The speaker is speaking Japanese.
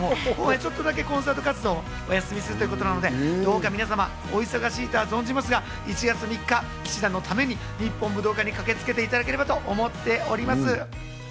ちょっとだけコンサート活動をお休みするということなので、皆様、お忙しいとは存じますが、１月３日、氣志團のために日本武道館に駆けつけていただければと思っております。